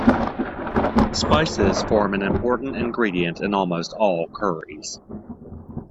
Spices form an important ingredient in almost all curries.